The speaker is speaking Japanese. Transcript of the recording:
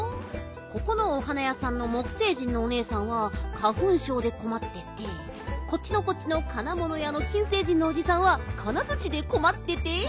ここのお花やさんの木星人のおねえさんは花ふんしょうでこまっててこっちのこっちの金ものやの金星人のおじさんは金づちでこまってて。